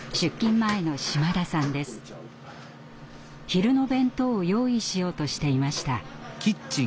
昼の弁当を用意しようとしていました。